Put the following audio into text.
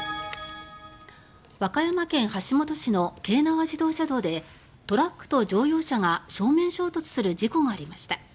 和歌山県橋本市の京奈和自動車道でトラックと乗用車が正面衝突する事故がありました。